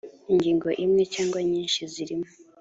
ingingo imwe cyangwa nyinshi zirimo